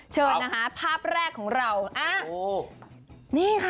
เชิญนะคะภาพแรกของเราอ่านี่ค่ะ